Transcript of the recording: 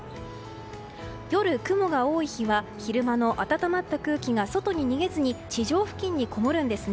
夜、雲が多い日は昼間の暖まった空気が外に逃げずに地上付近にこもるんです。